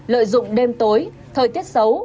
lợi dụng đêm tối thời tiết xấu